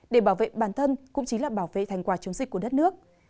để bảo vệ bản thân cũng chính là bảo vệ thành quả chống dịch của đất nước